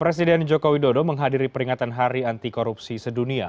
presiden jokowi dodo menghadiri peringatan hari antikorupsi sedunia